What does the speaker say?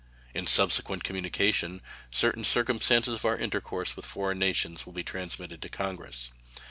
In subsequent communications certain circumstances of our intercourse with foreign nations will be transmitted to Congress.